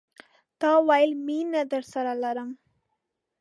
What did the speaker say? تا ویل، میینه درسره لرم